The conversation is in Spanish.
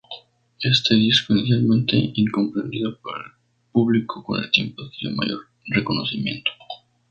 Este disco, inicialmente incomprendido por el público, con el tiempo adquirió mayor reconocimiento.